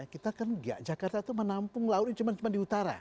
kita kan enggak jakarta itu menampung lautnya cuman cuman di utara